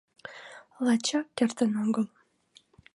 Лачак, кертын огыл!